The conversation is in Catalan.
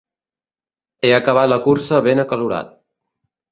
He acabat la cursa ben acalorat.